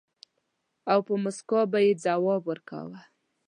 او په مُسکا به يې ځواب ورکاوه.